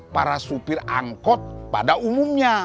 para supir angkot pada umumnya